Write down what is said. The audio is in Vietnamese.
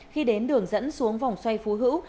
khi đến đường dẫn xuống vòng xoay phú hữu